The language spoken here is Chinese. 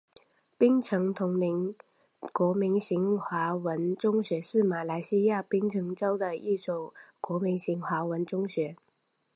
槟城锺灵国民型华文中学是马来西亚槟城州的一所国民型华文中学。